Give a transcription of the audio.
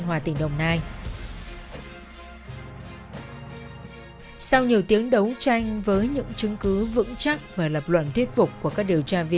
hình ảnh này là đối tượng rồi